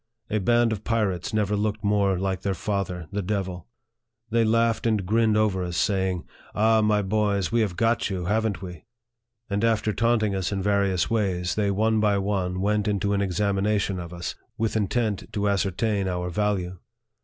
A band of pirates never looked more like their father, the devil. They laughed and grinned over us, saying, "Ah, my boys! we have got you, haven't we ?" And after taunting us in various ways, they one by one went into an examination of us, with intent to ascertain our value.